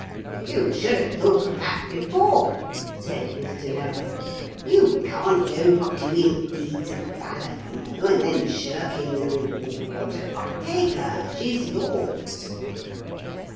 'You should have thought of that before,' said Mr. Noah. 'You can't go doing deeds of valour, you know, and then shirking the reward. Take her. She is yours.'